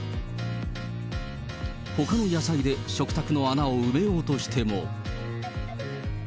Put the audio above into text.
ほかの野菜で食卓の穴を埋めようとしても。